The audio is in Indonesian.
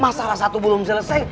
masalah satu belum selesai